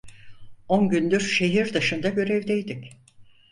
On gündür şehir dışında görevdeydik.